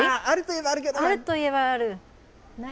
あると言えばあるかな。